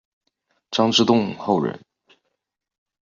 张之洞后人。